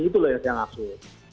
itulah yang saya maksud